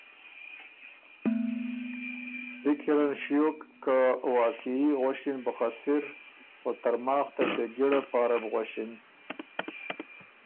پِکراَن ݭیوک که واقعی غؤݭِن بُو خه سِر او ترماخ ته شېګِړه پاره بو غؤݭِن۔